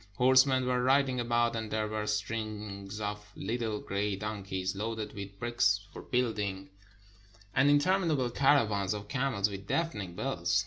Horsemen were riding about, and there were strings of little gray donkeys loaded with bricks for building, and 423 PERSIA interminable caravans of camels with deafening bells.